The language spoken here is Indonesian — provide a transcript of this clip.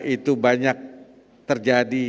itu banyak terjadi